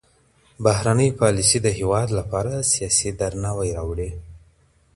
بهرنۍ پالیسي د هیواد لپاره سیاسي درناوی راوړي.